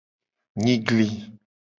Nyigli.